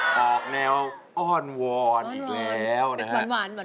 ปอกแนวอ้อนวรอีกแล้วนะคะ